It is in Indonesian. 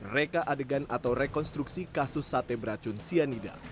reka adegan atau rekonstruksi kasus sate beracun cyanida